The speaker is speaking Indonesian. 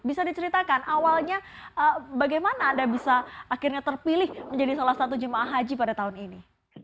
bisa diceritakan awalnya bagaimana anda bisa akhirnya terpilih menjadi salah satu jemaah haji pada tahun ini